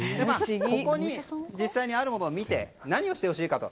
ここに実際にあるものを見て何をしてほしいかと。